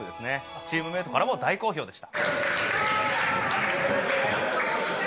チームメートからも大好評でした。